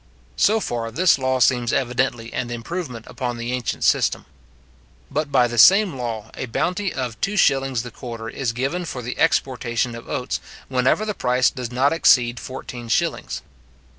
So far this law seems evidently an improvement upon the ancient system. But by the same law, a bounty of 2s. the quarter is given for the exportation of oats, whenever the price does not exceed fourteen shillings.